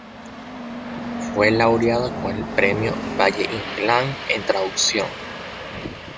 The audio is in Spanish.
Fue laureado con el Premio Valle-Inclán en traducción.